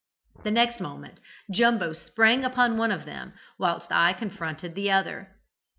The next moment Jumbo sprang upon one of them, whilst I confronted the other.